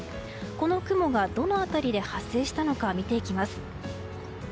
この雲がどの辺りで発生したのか見ていきます。